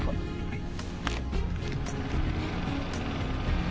はい。